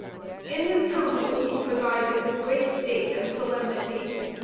In his council he presided with great state and solemnity.